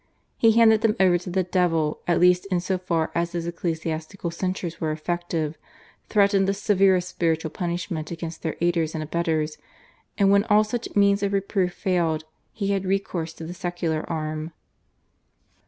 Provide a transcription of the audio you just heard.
He handed them over to the devil at least in so far as his ecclesiastical censures were effective, threatened the severest spiritual punishment against their aiders and abettors, and when all such means of reproof failed he had recourse to the secular arm.